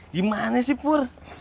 gimana sih pur